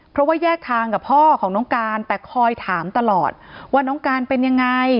เพราะว่าแยกทางกับพ่อของน้องการแต่คอยถามตลอดว่าน้องการเป็นยังไง